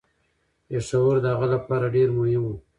پېښور د هغه لپاره ډیر مهم و.